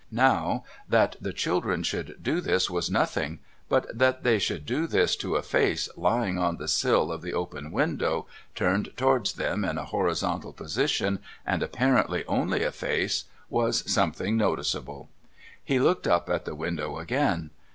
Now, that the children should do this was nothing ; but that they should do this to a face lying on the sill of the open window, turned towards them in a horizontal position, and apparently only a face, was something noticeable. He looked up at the window again.